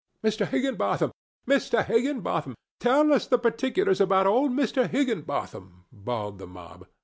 "Mr. Higginbotham! Mr. Higginbotham! Tell us the particulars about old Mr. Higginbotham!" bawled the mob.